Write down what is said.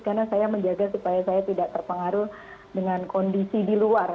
karena saya menjaga supaya saya tidak terpengaruh dengan kondisi di luar